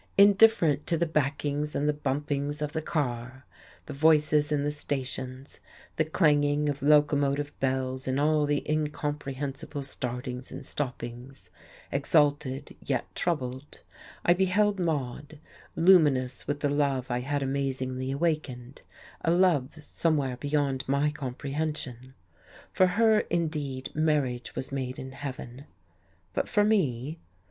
Indifferent to the backings and the bumpings of the car, the voices in the stations, the clanging of locomotive bells and all the incomprehensible startings and stoppings, exalted yet troubled I beheld Maude luminous with the love I had amazingly awakened, a love somewhere beyond my comprehension. For her indeed marriage was made in heaven. But for me?